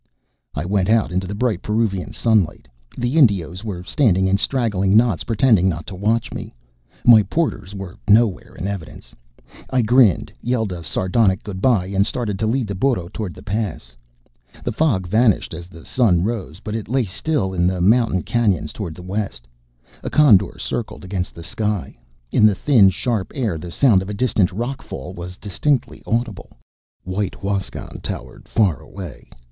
I went out into the bright Peruvian sunlight. The Indios were standing in straggling knots, pretending not to watch me. My porters were nowhere in evidence. I grinned, yelled a sardonic goodbye, and started to lead the burro toward the Pass. The fog vanished as the sun rose, but it still lay in the mountain canyons toward the west. A condor circled against the sky. In the thin, sharp air the sound of a distant rock fall was distinctly audible. White Huascan towered far away.